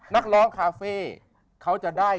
นักร้องคาเฟ่เขาจะได้